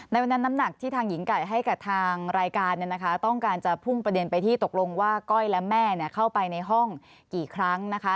ในวันนั้นน้ำหนักที่ทางหญิงไก่ให้กับทางรายการต้องการจะพุ่งประเด็นไปที่ตกลงว่าก้อยและแม่เข้าไปในห้องกี่ครั้งนะคะ